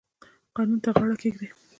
قانون ته غاړه کیږدئ